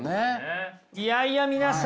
いやいや皆さん